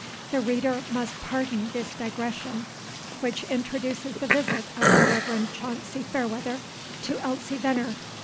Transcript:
The reader must pardon this digression, which introduces the visit of the Reverend Chauncy Fairweather to Elsie Veneer.